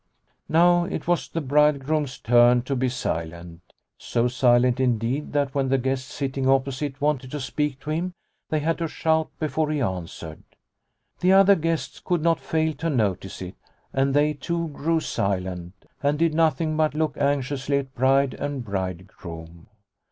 Now it was the bridegroom's turn to be silent, so silent, indeed, that when the guests sitting opposite wanted to speak to him, they had to shout before he answered. The other guests could not fail to notice it, and they too grew silent, and did nothing but look anxiously at bride and bridegroom.